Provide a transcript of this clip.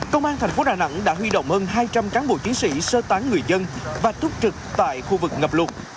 công an thành phố đà nẵng đã huy động hơn hai trăm linh cán bộ chiến sĩ sơ tán người dân và túc trực tại khu vực ngập lụt